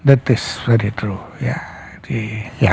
itu benar benar benar